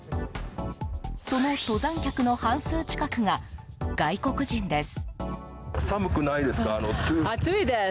その登山客の半数近くが外国人です。